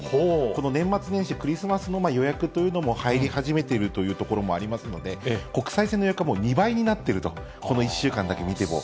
この年末年始、クリスマスの予約というのも入り始めているという所もありますので、国際線の予約はもう２倍になっていると、この１週間だけ見ても。